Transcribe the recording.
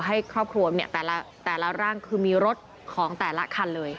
ให้ครอบครัวเนี่ยแต่ละร่างคือมีรถของแต่ละคันเลย